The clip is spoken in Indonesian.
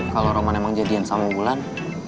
kalau roman emang jadian sama ulan